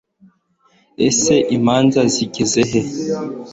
ese imanza zigeze he